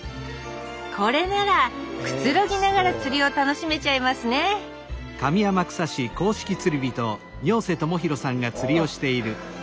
これならくつろぎながら釣りを楽しめちゃいますねああ！